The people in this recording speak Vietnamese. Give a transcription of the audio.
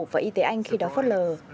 và y tế anh khi đó phót lờ